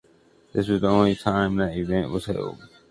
This was the only time that event was held.